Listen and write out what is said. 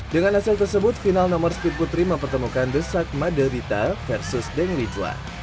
dengan hasil tersebut final nomor speed putri mempertemukan desak maderita versus deng li juan